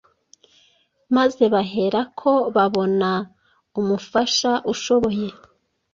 maze bahera ko babona umufasha ushoboye.